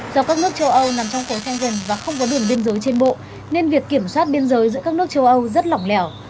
do các nước châu âu nằm trong phố sen gần và không có đường biên giới trên bộ nên việc kiểm soát biên giới giữa các nước châu âu rất lỏng lẻo